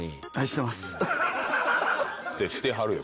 してはるよ